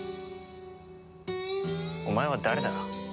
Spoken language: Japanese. お前は誰だ？